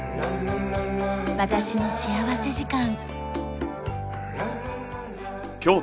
『私の幸福時間』。